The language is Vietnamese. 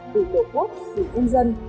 từ tổ quốc từ dân dân